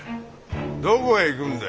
どこへ行くんだ？